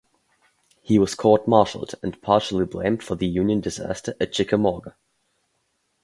He was court-martialed and partially blamed for the Union disaster at Chickamauga.